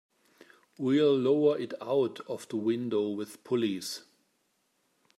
We'll lower it out of the window with pulleys.